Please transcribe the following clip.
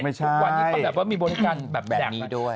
ทุกวันนี้ก็แบบว่ามีบริการแบบนี้ด้วย